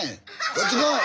こっち来い！